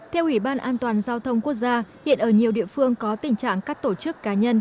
theo ủy ban an toàn giao thông quốc gia hiện ở nhiều địa phương có tình trạng các tổ chức cá nhân